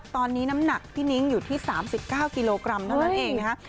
ตอนนี้น้ำหนักพี่นิ้งอยู่ที่๓๙กิโลกรัมเท่านั้นเองนะฮะ